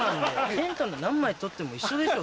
テント何枚撮っても一緒でしょ